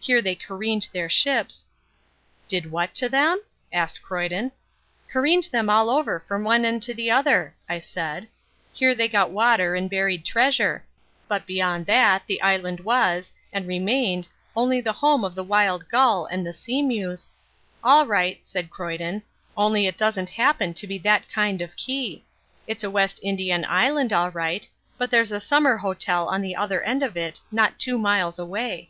Here they careened their ships " "Did what to them?" asked Croyden. "Careened them all over from one end to the other," I said. "Here they got water and buried treasure; but beyond that the island was, and remained, only the home of the wild gull and the sea mews " "All right," said Croyden, "only it doesn't happen to be that kind of key. It's a West Indian island all right, but there's a summer hotel on the other end of it not two miles away."